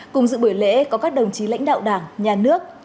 cùng dự buổi lễ có các đồng chí lãnh đạo đảng nhà nước